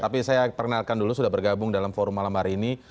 tapi saya perkenalkan dulu sudah bergabung dalam forum malam hari ini